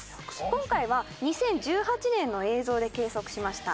今回は２０１８年の映像で計測しました。